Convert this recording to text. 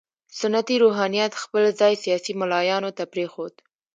سنتي روحانیت خپل ځای سیاسي ملایانو ته پرېښود.